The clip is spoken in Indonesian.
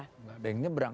tidak ada yang menyebrang